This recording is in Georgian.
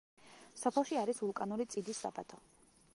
სოფელში არის ვულკანური წიდის საბადო.